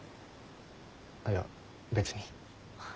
いや別に。